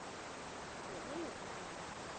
我也有带来